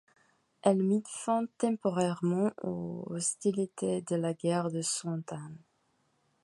Elle mit fin temporairement aux hostilités de la guerre de Cent Ans.